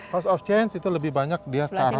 house of change itu lebih banyak dia ke arah